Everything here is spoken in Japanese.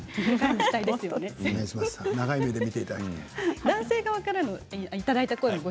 長い目で見ていただきたいです。